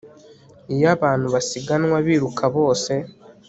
iyo abantu basiganwa biruka bose